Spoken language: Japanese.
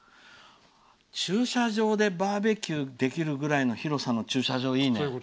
駐車場でバーベキューができるぐらいの広さの駐車場、いいね。